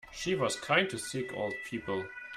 She was kind to sick old people.